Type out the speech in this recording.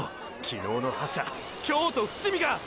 昨日の覇者京都伏見が！！